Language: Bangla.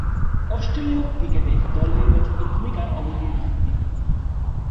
অস্ট্রেলীয় ক্রিকেটে দল নির্বাচকের ভূমিকায় অবতীর্ণ হন তিনি।